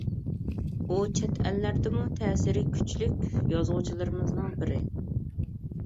ئۇ چەت ئەللەردىمۇ تەسىرى كۈچلۈك يازغۇچىلىرىمىزنىڭ بىرى.